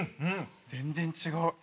全然違う。